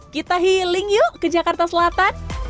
kita healing yuk ke jakarta selatan